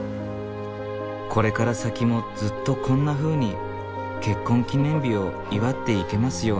これから先もずっとこんなふうに結婚記念日を祝っていけますように。